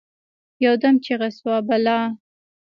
يودم چیغه شوه: «بلا!»